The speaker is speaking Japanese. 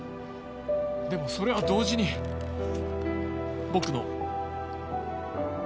でもそれは同時に僕の。